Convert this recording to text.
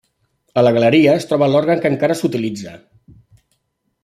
A la galeria es troba l'òrgan que encara s'utilitza.